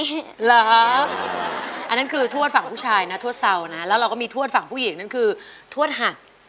เหรออันนั้นคือทวดฝั่งผู้ชายนะทวดเซานะแล้วเราก็มีทวดฝั่งผู้หญิงนั่นคือทวดหัด